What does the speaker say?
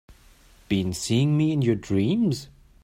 Been seeing me in your dreams?